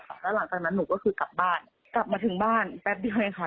แล้วหลังจากนั้นหนูก็คือกลับบ้านกลับมาถึงบ้านแป๊บเดียวเองค่ะ